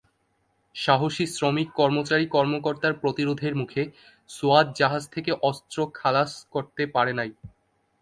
সাহসী শ্রমিক কর্মচারী কর্মকর্তার প্রতিরোধের মুখে সোয়াত জাহাজ থেকে অস্ত্র খালাস করতে পারে নাই।